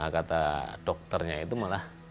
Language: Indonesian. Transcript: kata dokternya itu malah